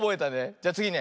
じゃつぎね。